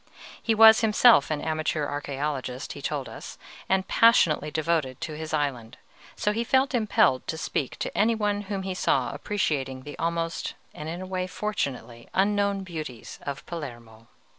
He was himself an amateur archæologist, he told us, and passionately devoted to his island; so he felt impelled to speak to any one whom he saw appreciating the almost and in a way fortunately unknown beauties of Palermo.